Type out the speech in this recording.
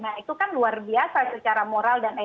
nah itu kan luar biasa secara moral dan elekta